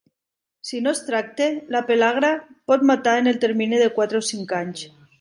Si no es tracta, la pel·lagra pot matar en el termini d quatre o cinc anys.